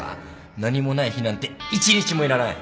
何もない日なんて１日もいらない